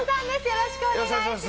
よろしくお願いします。